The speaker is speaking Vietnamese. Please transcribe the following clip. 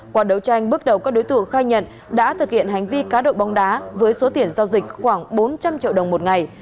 qua đấu tranh bước đầu các đối tượng khai nhận đã thực hiện hành vi cá độ bóng đá với số tiền giao dịch khoảng bốn trăm linh triệu đồng một ngày